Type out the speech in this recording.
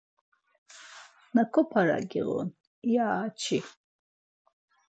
Naǩu para giğun, ya çi.